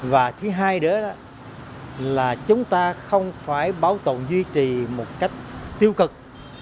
và thứ hai nữa đó là chúng ta không phải bảo tồn duy trì một cách tiêu cực